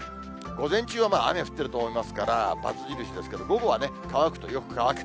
午前中は雨降ってると思いますから、ばつ印ですけど、午後は乾くと、よく乾く。